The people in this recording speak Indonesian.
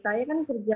saya kan kerja